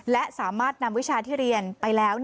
และสามารถนำวิชาที่เรียนไปแล้ว